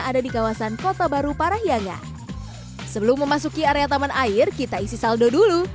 ada di kawasan kota baru parahyangan sebelum memasuki area taman air kita isi saldo dulu